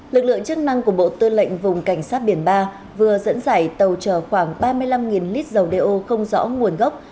lực lượng chức năng của bộ tư lệnh vùng cảnh sát biển ba vừa dẫn dải tàu chở khoảng ba mươi năm lít dầu đeo không rõ nguồn gốc